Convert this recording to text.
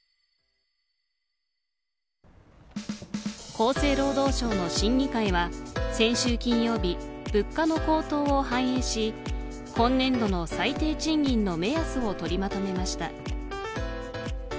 厚生労働省の審議会は先週金曜日物価の高騰を反映し今年度の最低賃金の目安を取りまとめました。